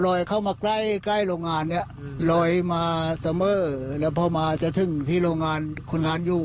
เข้ามาใกล้ใกล้โรงงานเนี่ยลอยมาเสมอแล้วพอมาจะถึงที่โรงงานคนงานอยู่